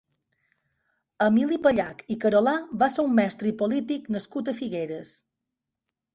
Emili Pallach i Carolà va ser un mestre i polític nascut a Figueres.